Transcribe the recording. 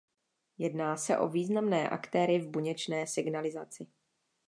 Jedná se o významné aktéry v buněčné signalizaci.